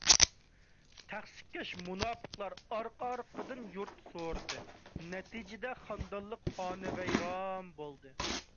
تەخسىكەش مۇناپىقلار ئارقا - ئارقىدىن يۇرت سورىدى. نەتىجىدە، خانىدانلىق خانىۋەيران بولدى.